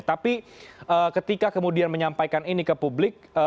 tapi ketika kemudian menyampaikan ini ke publik